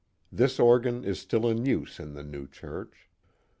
This organ is still in use in the new church.